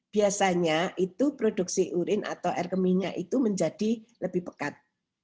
biasanya itu produksi urin atau air keminya itu menjadi lebih pekat